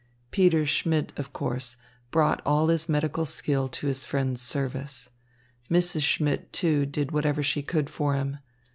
Peter Schmidt, of course, brought all his medical skill to his friend's service. Mrs. Schmidt, too, did whatever she could for him.